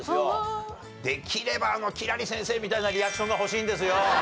できれば輝星先生みたいなリアクションが欲しいんですよ。